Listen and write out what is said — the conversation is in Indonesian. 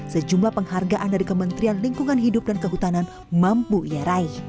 sejumlah penghargaan dari kementerian lingkungan hidup dan kehutanan mampu ia raih